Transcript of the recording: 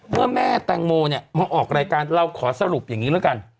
แม่แตงโมเนี่ยมาออกรายการเราขอสรุปอย่างนี้แล้วกัน